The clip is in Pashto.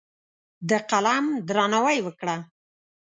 د قلم درناوی وکړه.